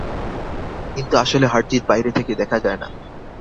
কিন্তু আসল হারজিত বাইরে থেকে দেখা যায় না।